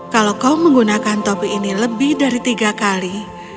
kalau kau menggunakan topi ini lebih dari tiga kali